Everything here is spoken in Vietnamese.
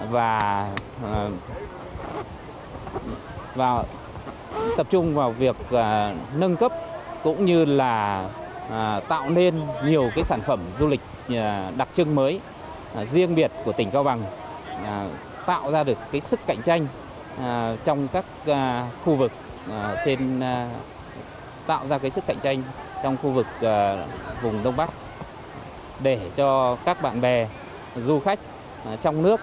và tập trung vào việc nâng cấp cũng như là tạo nên nhiều sản phẩm du lịch đặc trưng mới riêng biệt của tỉnh cao bằng tạo ra được sức cạnh tranh trong các khu vực tạo ra sức cạnh tranh trong khu vực vùng đông bắc để cho các bạn bè du khách trong nước